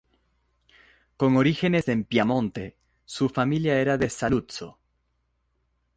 Con orígenes en Piamonte, su familia era de Saluzzo.